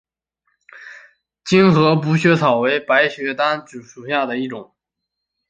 精河补血草为白花丹科补血草属下的一个种。